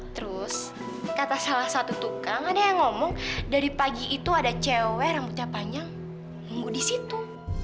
terus kata salah satu tukang ada yang ngomong dari pagi itu ada cewek rambutnya panjang nunggu di situ